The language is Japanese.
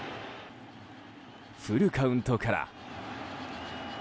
フルカウントから。